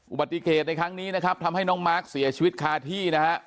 อุบัติเหตุในครั้งนี้นะครับทำให้น้องมาร์คเสียชีวิตคาที่นะฮะ